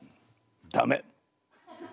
ダメ？